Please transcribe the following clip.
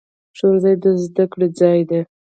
ښوونځی د زده کړې ځای دی